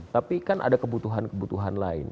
tapi kan ada kebutuhan kebutuhan lain